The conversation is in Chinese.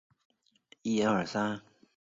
超擢内阁侍读学士。